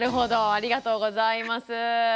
ありがとうございます。